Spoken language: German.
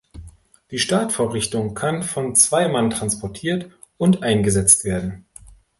Die Startvorrichtung kann von zwei Mann transportiert und eingesetzt werden.